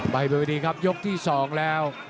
ไปบนวิธีครับยกที่๒แล้ว